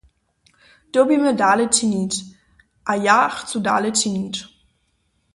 Dyrbimy dale činić, a ja chcu dale činić.